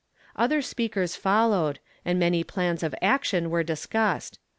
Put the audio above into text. Other speakers followed, and many plans of action were discussed.